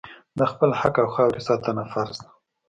د خپل حق او خاورې ساتنه فرض ده.